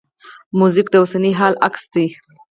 موزیک د اوسني حال عکس دی.